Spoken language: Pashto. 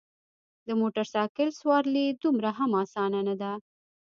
د موټرسایکل سوارلي دومره هم اسانه نده.